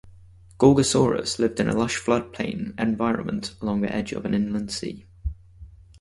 "Gorgosaurus" lived in a lush floodplain environment along the edge of an inland sea.